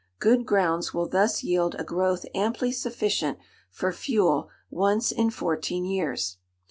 Good grounds will thus yield a growth amply sufficient for fuel, once in fourteen years.